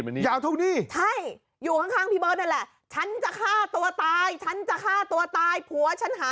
ในนี้มานี่ยาวเท่านี้เยอะใช่